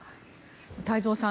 太蔵さん